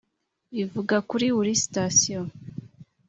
ivuga kuri buri sitasiyo.